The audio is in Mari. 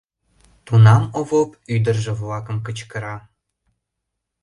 Тунам Овоп ӱдыржӧ-влакым кычкыра.